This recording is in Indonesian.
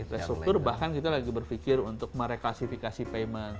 infrastruktur bahkan kita lagi berpikir untuk mereklasifikasi payment